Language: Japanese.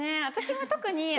私も特に。